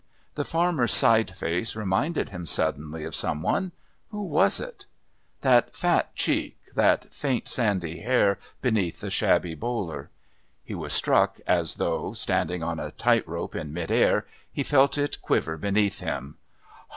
The farmer's side face reminded him suddenly of some one. Who was it? That fat cheek, the faint sandy hair beneath the shabby bowler. He was struck as though, standing on a tight rope in mid air, he felt it quiver beneath him.